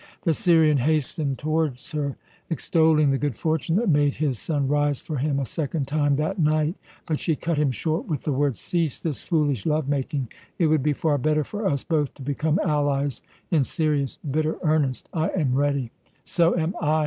The Syrian hastened towards her, extolling the good fortune that made his sun rise for him a second time that night, but she cut him short with the words: "Cease this foolish love making. It would be far better for us both to become allies in serious, bitter earnest. I am ready." "So am I!"